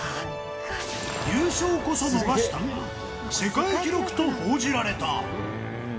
優勝こそ逃したが、世界記録と報じられた。